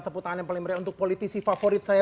tepuk tangan yang paling meriah untuk politisi favorit saya